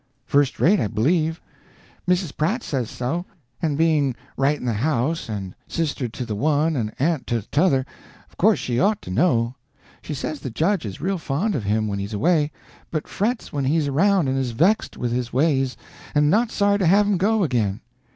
"First rate, I believe. Mrs. Pratt says so; and being right in the house, and sister to the one and aunt to t'other, of course she ought to know. She says the judge is real fond of him when he's away; but frets when he's around and is vexed with his ways, and not sorry to have him go again.